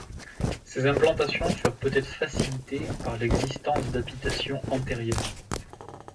Ces implantations furent peut-être facilitées par l’existence d’habitations antérieures.